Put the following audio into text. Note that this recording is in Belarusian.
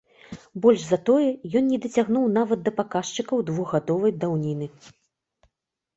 Больш за тое, ён не дацягнуў нават да паказчыкаў двухгадовай даўніны.